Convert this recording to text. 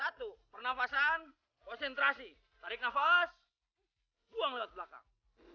satu pernafasan konsentrasi tarik nafas buang lewat belakang